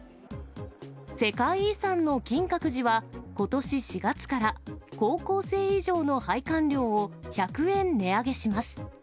世界遺産の金閣寺は、ことし４月から、高校生以上の拝観料を１００円値上げします。